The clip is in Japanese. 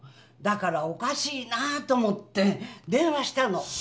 だからおかしいなぁと思って電話したの。